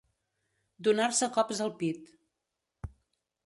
Donar-se cops al pit.